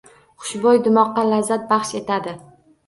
Xushbo‘y dimoqqa lazzat baxsh etadi.